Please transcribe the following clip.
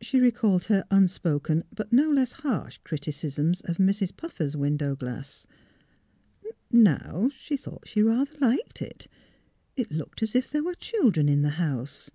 She recalled her unspoken, but no less harsh, criticisms of Mrs. Putfer's window glass. Now, she thought she rather liked it. It looked as if there were children in the house.